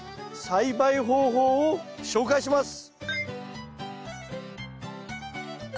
栽培方法を紹介します。